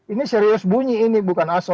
ini serius bunyi ini bukan asbun gitu loh